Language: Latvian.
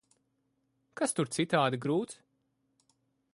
Kas tur citādi grūts?